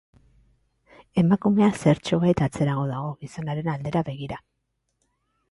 Emakumea zertxobait atzerago dago, gizonaren aldera begira.